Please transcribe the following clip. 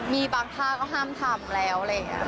มีบางท่าก็ห้ามทำแล้วอะไรอย่างนี้